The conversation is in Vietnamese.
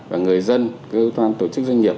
và người dân cơ quan tổ chức doanh nghiệp